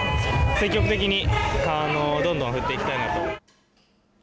積極的にどんどん振っていきたいなと。